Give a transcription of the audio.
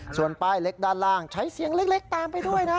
ส่วนป้ายเล็กด้านล่างใช้เสียงเล็กตามไปด้วยนะ